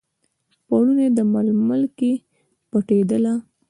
پوړني، د ململ کې پټیدله